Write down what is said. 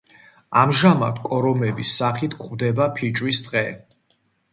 ამჟამად კორომების სახით გვხვდება ფიჭვის ტყე.